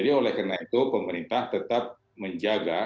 inilah yang bertanggung jawab dari east asian waspada